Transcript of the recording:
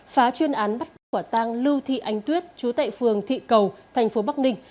phá chuyên án bắt quả tang lưu thị ánh tuyết chú tại phường thị cầu thành phố bắc ninh